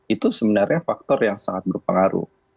itu sebenarnya faktor yang sangat berpengaruh